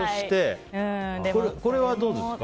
これはどうですか？